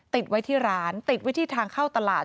ติดไว้ที่ร้านติดไว้ที่ทางเข้าตลาด